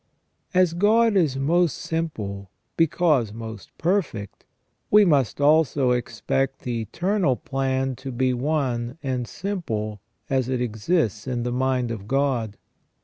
As God is most simple, because most perfect, we must also expect the eternal plan to be one and simple as it exists in the mind of God.